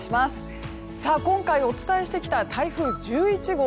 今回お伝えしてきた台風１１号。